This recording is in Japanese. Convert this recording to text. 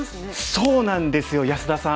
そうなんですよ安田さん。